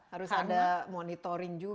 harus ada monitoring juga